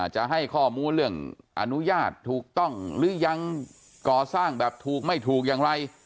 จะให้ข้อมูลเรื่องอนุญาตถูกต้องหรือยังก่อสร้างแบบถูกไม่ถูกอย่างไร